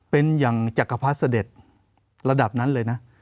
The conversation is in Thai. เป็นอย่างจักรพรรดิเสด็จระดับนั้นเลยนะ